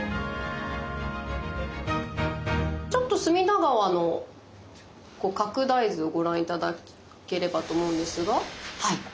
ちょっと隅田川の拡大図をご覧頂ければと思うんですが。